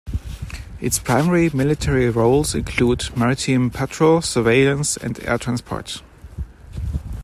Its primary military roles include maritime patrol, surveillance, and air transport.